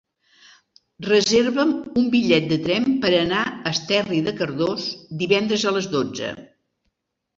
Reserva'm un bitllet de tren per anar a Esterri de Cardós divendres a les dotze.